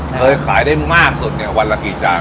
เคยขายได้มากสุดเนี่ยวันละกี่จาน